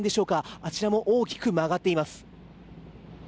あちらも大きく曲がっています。